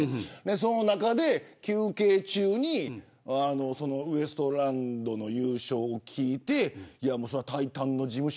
その中で休憩中にウエストランドの優勝を聞いてタイタンの事務所